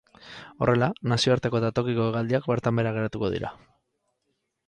Horrela, nazioarteko eta tokiko hegaldiak bertan behera geratuko dira.